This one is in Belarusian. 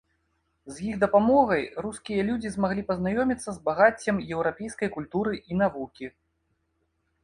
З іх дапамогай рускія людзі змаглі пазнаёміцца з багаццем еўрапейскай культуры і навукі.